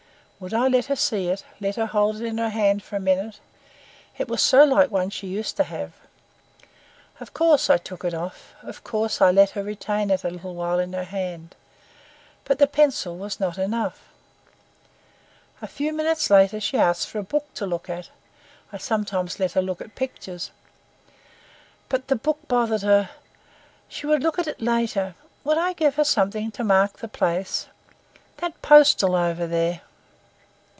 Would I let her see it, let her hold it in her hand for a minute? it was so like one she used to have. Of course I took it off, of course I let her retain it a little while in her hand. But the pencil was not enough. A few minutes later she asked for a book to look at—I sometimes let her look at pictures. But the book bothered her—she would look at it later; would I give her something to mark the place—that postal over there.